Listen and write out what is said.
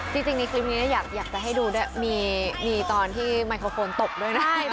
จริงในคลิปนี้อยากจะให้ดูด้วยมีตอนที่ไมโครโฟนตกด้วยนะ